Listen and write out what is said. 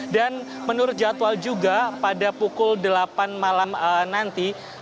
dan menurut jadwal juga pada pukul delapan malam nanti